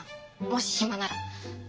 もし暇なら。